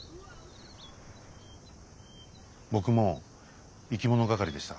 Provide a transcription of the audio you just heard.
僕も生き物係でした。